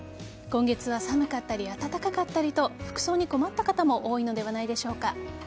今月は寒かったり暖かかったりと服装に困った方も多いのではないでしょうか。